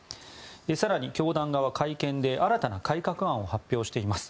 更に教団側は会見で新たな改革案を発表しています。